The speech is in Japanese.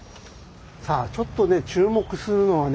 さあちょっとね注目するのはね